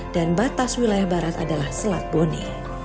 dan batas wilayah barat adalah selat bone